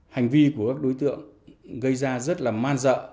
hành vi của các đối tượng gây ra rất là man dợ